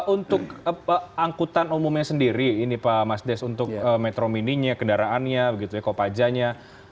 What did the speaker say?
untuk angkutan umumnya sendiri ini pak mas des untuk metro mininya kendaraannya kopajanya